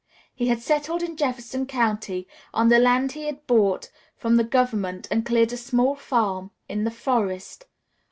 He had settled in Jefferson County, on the land he had bought from the Government, and cleared a small farm in the forest.